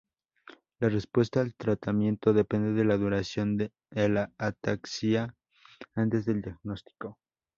La respuesta al tratamiento depende de la duración de la ataxia antes del diagnóstico.